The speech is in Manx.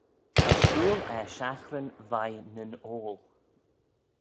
As shooyl er shaghryn veih nyn oayl.